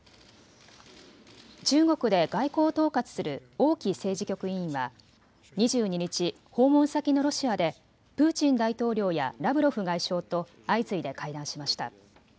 中国で外交を統括する王毅政治局委員は２２日、訪問先のロシアでプーチン大統領やラブロフ外相と相次いで会談しました。